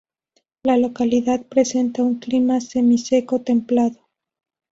La localidad presenta un clima semiseco templado.